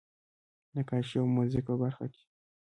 نقاشۍ او موزیک په برخه کې.